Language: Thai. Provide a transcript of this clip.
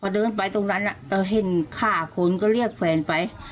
เดินไปตรงนั้นเราเห็นฆ่าคนก็เรียกแฟนไป